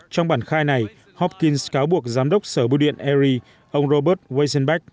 trong bản khai này hopkins cáo buộc giám đốc sở bưu điện erie ông robert weisenbach